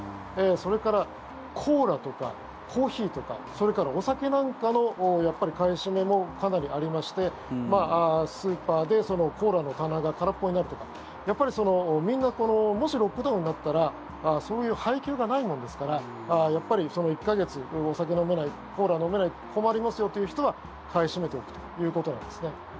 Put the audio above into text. それからコーラとかコーヒーとかそれからお酒なんかの買い占めもかなりありましてスーパーでコーラの棚が空っぽになるとかやっぱり、みんなもしロックダウンになったらそういう配給がないもんですからやっぱり１か月お酒飲めない、コーラ飲めない困りますよという人は買い占めておくということなんですね。